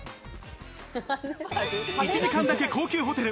１時間だけ高級ホテル。